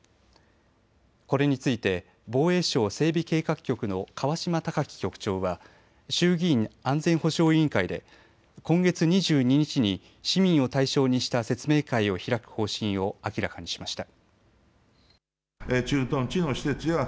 これについて防衛省整備計画局の川嶋貴樹局長は衆議院安全保障委員会で今月２２日に市民を対象にした説明会を開く方針を明らかにしました。